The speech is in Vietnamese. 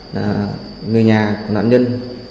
người nhà của nạn nhân